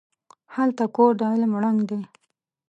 هلته کور د علم ړنګ دی